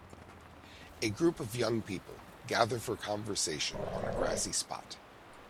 A group of young people gather for conversation on a grassy spot